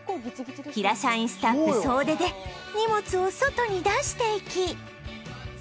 平社員スタッフ総出で荷物を外に出していき